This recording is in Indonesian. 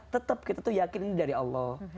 tetap kita tuh yakin ini dari allah